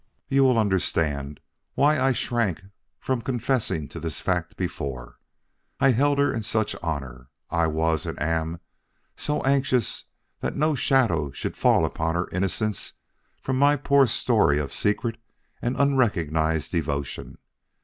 You will understand why I shrank from confessing to this fact before. I held her in such honor I was and am so anxious that no shadow should fall upon her innocence from my poor story of secret and unrecognized devotion.